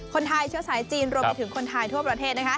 คนไทยเชื้อสายจีนรวมไปถึงคนไทยทั่วประเทศ